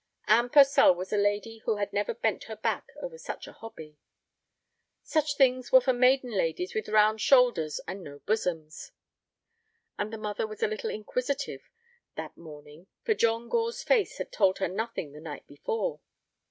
Anne Purcell was a lady who had never bent her back over such a hobby. "Such things were for maiden ladies with round shoulders and no bosoms." And the mother was a little inquisitive that morning, for John Gore's face had told her nothing the night before.